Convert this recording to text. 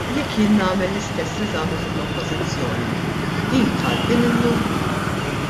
Jekk jien nagħmel l-istess eżami fuq l-Oppożizzjoni, din tgħaddi minnu?